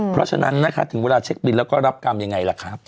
เพราะฉะนั้นนะคะถึงเวลาเช็คบินแล้วก็รับกรรมยังไงล่ะครับ